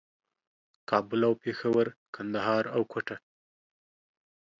کابل او پېښور، کندهار او کوټه